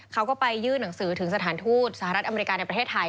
เขาก็ไปยื่นหนังสือถึงสถานทูตสหรัฐอเมริกาในประเทศไทย